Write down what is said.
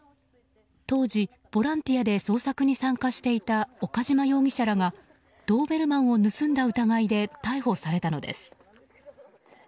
当時、ボランティアで捜索に参加していた岡島容疑者らがドーベルマンを盗んだ疑いで逮捕されたのです。